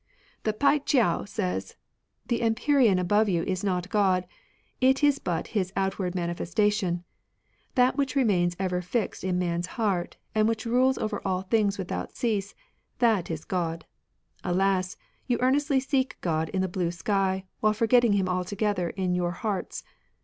The Pi ch^ou says, " The empyrean Where is above you is not God ; it is but His outward manifestation. That which remains ever fixed in man's heart and which rules over all things without cease, that is God. Alas, you earnestly seek God in the blue sky, while forgetting Him altogether in your hearts.